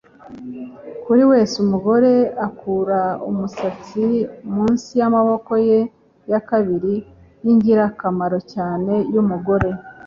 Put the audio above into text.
kuri we umugore akura umusatsi munsi yamaboko ye ya kabiri yingirakamaro cyane yumugore